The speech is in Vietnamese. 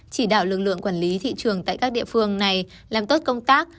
chỉ đạo lực lượng quản lý thị trường tại các địa phương này làm tốt công tác